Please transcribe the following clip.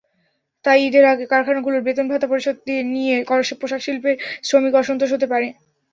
তাই ঈদের আগে কারখানাগুলোর বেতন-ভাতা পরিশোধ নিয়ে পোশাকশিল্পে শ্রমিক-অসন্তোষ হতে পারে।